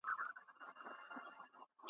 اسلام د ښځې علم ته لوړ مقام ورکړی دی.